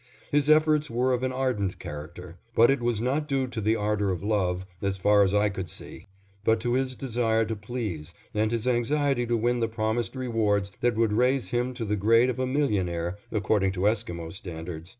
His efforts were of an ardent character, but it was not due to the ardor of love, as far as I could see, but to his desire to please and his anxiety to win the promised rewards that would raise him to the grade of a millionaire, according to Esquimo standards.